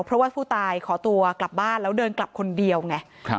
เพราะว่าผู้ตายขอตัวกลับบ้านแล้วเดินกลับคนเดียวไง